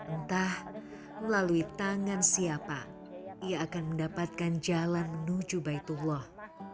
entah melalui tangan siapa ia akan mendapatkan jalan menuju baitullah